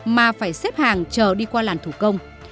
mà phải xếp hàng chờ đi qua làn thủ công